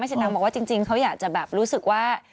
แม่ศรีตังค์บอกว่าจริงเขาอยากจะแบบรู้สึกว่า